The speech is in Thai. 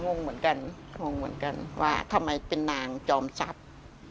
งงเหมือนกันงงเหมือนกันว่าทำไมเป็นนางจอมทรัพย์